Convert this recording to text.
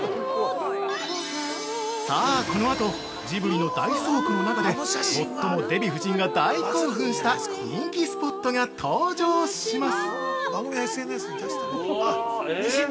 ◆さあ、このあとジブリの大倉庫の中で最もデヴィ夫人が大興奮した人気スポットが登場します。